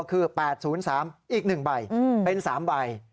คือ๘๐๓อีก๑ใบเป็น๓ใบ